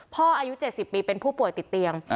อายุ๗๐ปีเป็นผู้ป่วยติดเตียง